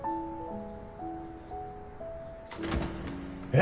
え！